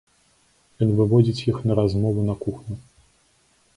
Ён выводзіць іх на размову на кухню.